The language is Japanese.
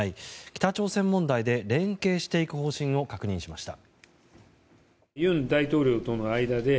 北朝鮮問題で連携していく方針を確認しました。